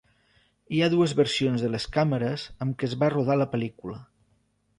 Hi ha dues versions de les càmeres amb què es va rodar la pel·lícula.